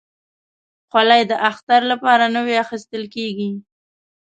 خولۍ د اختر لپاره نوي اخیستل کېږي.